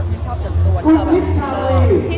ที่ชอบก่นตัวตัว